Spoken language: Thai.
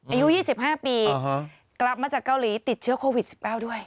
อายุยี่สิบห้าปีอ๋อฮะกลับมาจากเกาหลีติดเชื้อโควิดสิบเก้าด้วย